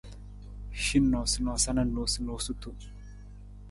Hin noosanoosa na noosunonosutu.